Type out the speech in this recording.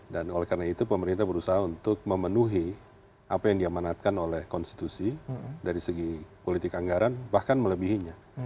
dan oleh karena itu pemerintah berusaha untuk memenuhi apa yang diamanatkan oleh konstitusi dari segi politik anggaran bahkan melebihinya